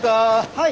はい。